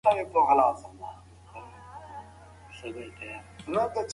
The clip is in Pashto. ټول قوانين او هدايات يي الله تعالى نازل كړي دي ،